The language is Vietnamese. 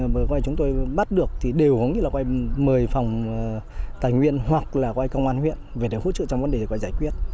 bởi vì chúng tôi bắt được thì đều không như là quay mời phòng tài nguyên hoặc là quay công an huyện về để hỗ trợ trong vấn đề quay giải quyết